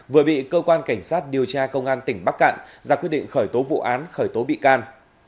vừa bị cơ quan cảnh sát điều tra công an tỉnh bắc cạn ra quyết định khởi tố vụ án khởi tố bị can